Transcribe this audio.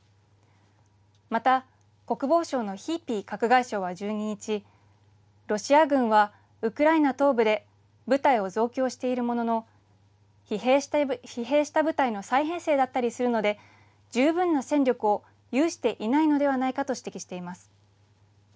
また、国防省のヒーピー閣外相は１２日、ロシア軍はウクライナ東部で、部隊を増強しているものの、疲弊した部隊の再編成だったりするので、十分な戦力を有していないのではないかと指摘しています。